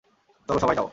চলো সবাই যাও!